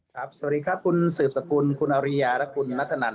สวัสดีครับคุณสืบสกุลคุณอริยาและคุณนัทธนัน